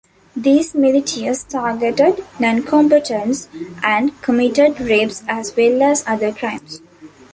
These militias targeted noncombatants and committed rapes as well as other crimes.